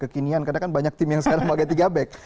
kekinian karena kan banyak tim yang sekarang pakai tiga back